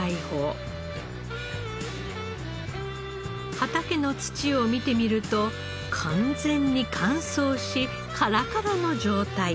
畑の土を見てみると完全に乾燥しカラカラの状態。